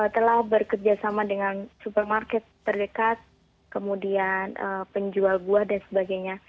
telah bekerjasama dengan supermarket terdekat kemudian penjual buah dan sebagainya